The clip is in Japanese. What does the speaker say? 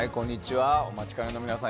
お待ちかねの皆さん